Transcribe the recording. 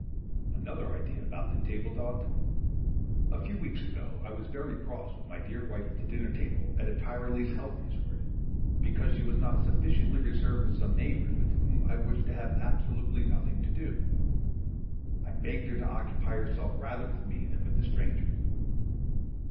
Another idea about the table d'hôte. A few weeks ago I was very cross with my dear wife at the dinner table at a Tyrolese health resort, because she was not sufficiently reserved with some neighbors with whom I wished to have absolutely nothing to do. I begged her to occupy herself rather with me than with the strangers.